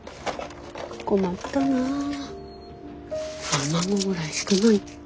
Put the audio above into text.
困ったな卵ぐらいしかないか。